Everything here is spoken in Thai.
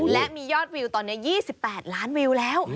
และมียอดวิวตอนนี้๒๘ล้านวิวแล้ว